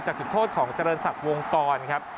จุดโทษของเจริญศักดิ์วงกรครับ